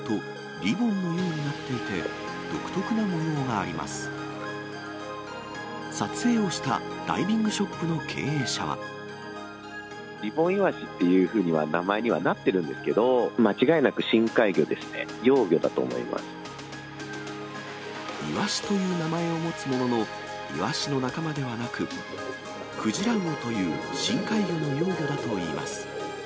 リボンイワシっていうふうには、名前にはなってるんですけど、間違いなく深海魚ですね、幼魚だイワシという名前を持つものの、イワシの仲間ではなく、クジラウオという深海魚の幼魚だといいます。